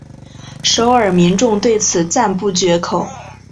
首尔民众对此赞不绝口。